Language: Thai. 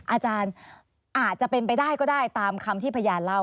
อาจารย์อาจจะเป็นไปได้ก็ได้ตามคำที่พยานเล่า